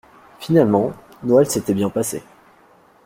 Finalement, Noël s’était bien passé.